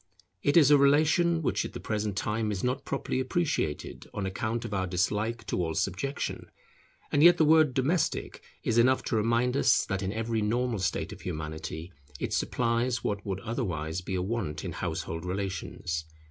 It is a relation which at the present time is not properly appreciated on account of our dislike to all subjection; and yet the word domestic is enough to remind us that in every normal state of Humanity, it supplies what would otherwise be a want in household relations.